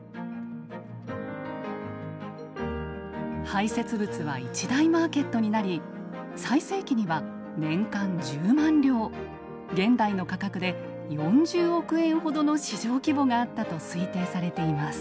排せつ物は一大マーケットになり最盛期には年間１０万両現代の価格で４０億円ほどの市場規模があったと推定されています。